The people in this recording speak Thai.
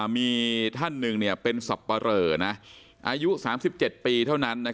มีท่านหนึ่งเป็นสับปะเรออายุ๓๗ปีเท่านั้น